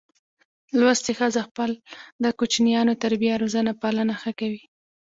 لوستي ښځه خپل د کوچینیانو تربیه روزنه پالنه ښه کوي.